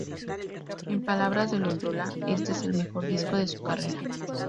En palabras de Loyola, este es el mejor disco de su carrera.